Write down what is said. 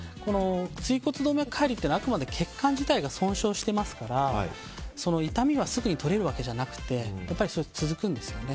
椎骨動脈解離っていうのはあくまで血管自体が損傷していますから、痛みがすぐにとれるわけじゃなくて続くんですね。